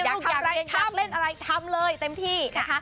อยากเล่นอะไรทำเลยเต็มที่นะคะ